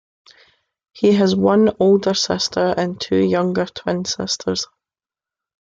He has one older sister and two younger twin sisters.